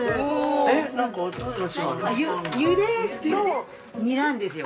「ゆで」と「煮」なんですよ。